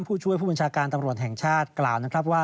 ผู้ช่วยผู้บัญชาการตำรวจแห่งชาติกล่าวนะครับว่า